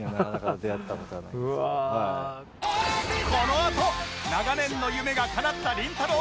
このあと長年の夢がかなったりんたろー。